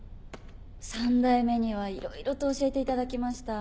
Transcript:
三代目にはいろいろと教えていただきました。